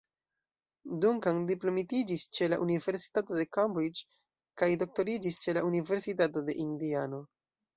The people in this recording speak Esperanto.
Duncan diplomitiĝis ĉe la Universitato de Cambridge kaj doktoriĝis ĉe la Universitato de Indianao.